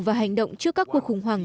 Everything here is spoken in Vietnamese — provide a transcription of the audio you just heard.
và hành động trước các cuộc khủng hoảng